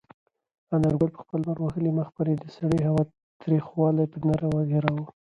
انارګل په خپل لمر وهلي مخ باندې د سړې هوا تریخوالی په نره تېراوه.